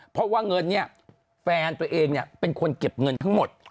เพราะว่าเงินเนี่ยแฟนตัวเองเนี่ยเป็นคนเก็บเงินทั้งหมด